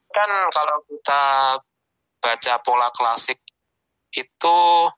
kan kalau kita baca pola klasik itu